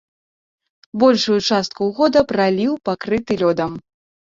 Большую частку года праліў пакрыты лёдам.